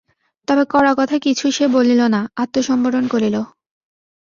তবে কড়া কথা কিছু সে বলিল না, আত্মসম্বরণ করিল।